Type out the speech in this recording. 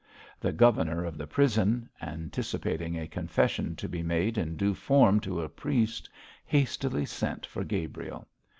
The governor of the prison, anticipating a confession to be made in due form to a priest, hastily sent for Gabriel.